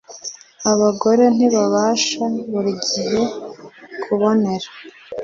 abagore ntibabasha buri gihe kubonera